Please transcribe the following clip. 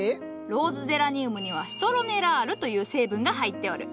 ローズゼラニウムには「シトロネラール」という成分が入っておる。